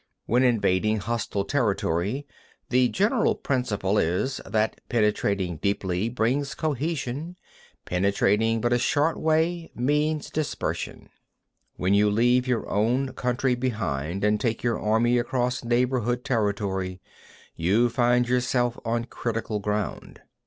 42. When invading hostile territory, the general principle is, that penetrating deeply brings cohesion; penetrating but a short way means dispersion. 43. When you leave your own country behind, and take your army across neighbourhood territory, you find yourself on critical ground.